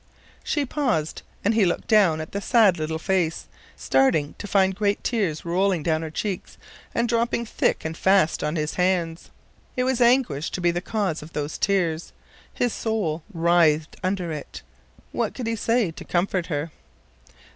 She paused, and he looked down at the sad little face, starting to find great tears rolling down her cheeks and dropping thick and fast on his hands. It was anguish to be the cause of those tears. His soul writhed under it. What could he say to comfort her?